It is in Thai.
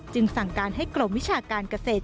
สั่งการให้กรมวิชาการเกษตร